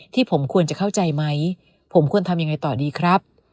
ที่ผมควรจะเข้าใจไหมผมควรทำยังไงต่อดีครับ